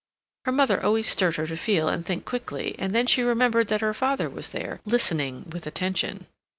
Her mother always stirred her to feel and think quickly, and then she remembered that her father was there, listening with attention.